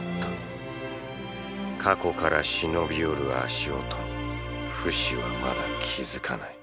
過去から忍び寄る足音にフシはまだ気付かない